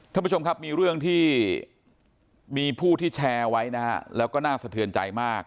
ท่านผู้ชมครับมีเรื่องที่มีผู้ที่แชร์ไว้นะฮะแล้วก็น่าสะเทือนใจมาก